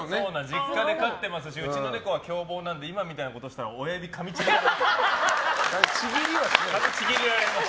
実家で飼ってますしうちの猫は凶暴なんで今みたいなことしたら親指かみちぎっちゃいます。